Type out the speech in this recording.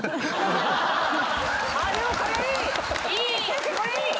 先生これいい！